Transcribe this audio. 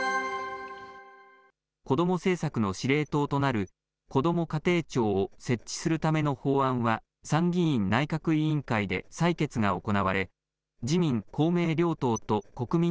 子ども政策の司令塔となる、こども家庭庁を設置するための法案は、参議院内閣委員会で採決が行われ、自民、公明両党と、国民